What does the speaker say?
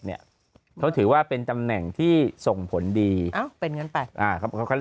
เนี้ยเขาถือว่าเป็นตำแหน่งที่ส่งผลดีอ้าวเป็นงั้นไปอะ